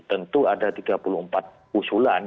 tentu ada tiga puluh empat usulan